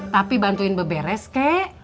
tapi bantuin beberes kek